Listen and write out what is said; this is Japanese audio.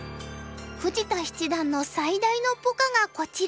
富士田七段の最大のポカがこちら。